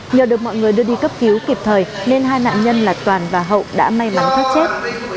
nhờ được mọi người đưa đi cấp cứu kịp thời nên hai nạn nhân là toàn và hậu đã may mắn thoát chết